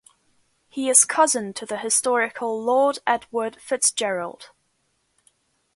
He is cousin to the historical Lord Edward FitzGerald.